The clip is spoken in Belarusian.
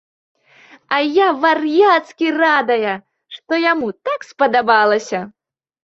А я вар'яцкі радая, што яму так спадабалася.